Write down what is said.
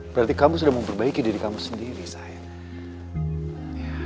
berarti kamu sudah memperbaiki diri kamu sendiri sayang